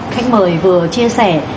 khách mời vừa chia sẻ